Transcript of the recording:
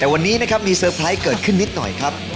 แต่วันนี้นะครับมีเซอร์ไพรส์เกิดขึ้นนิดหน่อยครับ